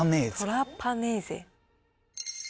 トラパネーゼ？